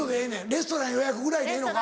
レストラン予約ぐらいでええのか？